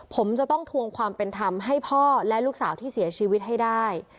ผมจะต้องทวงความเป็นธรรมให้พ่อและลูกสาวที่เสียชีวิตให้ได้